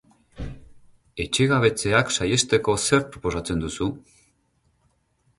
Etxegabetzeak saihesteko zer proposatzen duzu?